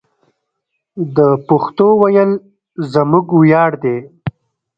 د پښتو ویل زموږ ویاړ دی.